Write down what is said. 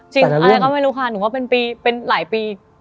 อะไรก็ไม่รู้ค่ะหนูว่าเป็นปีเป็นหลายปี